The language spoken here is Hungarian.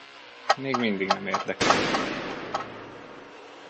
Még mindig nem érdekel.